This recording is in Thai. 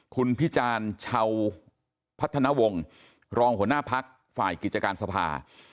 คุณพิจารณ์ชาวพัฒนาวงศ์รองหัวหน้าพักฝ่ายกิจการสภา